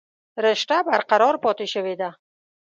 رشته برقرار پاتې شوې ده